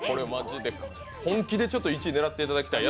本気で１位狙っていただきたい。